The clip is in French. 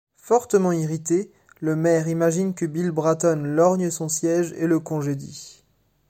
Fortement irrité, le maire imagine que Bill Bratton lorgne son siège et le congédie.